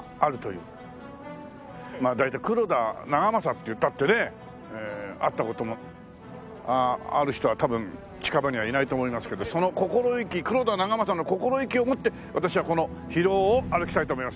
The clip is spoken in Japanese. まあ大体黒田長政っていったってね会った事ある人は多分近場にはいないと思いますけどその心意気黒田長政の心意気を持って私はこの広尾を歩きたいと思います。